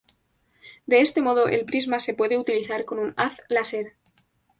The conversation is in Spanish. De este modo el prisma se puede utilizar con un haz láser.